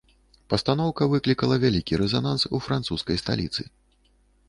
Пастаноўка выклікала вялікі рэзананс у французскай сталіцы.